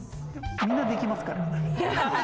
みんなできますから。